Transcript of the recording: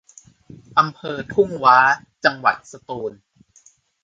อำเภอทุ่งหว้า จังหวัดสตูล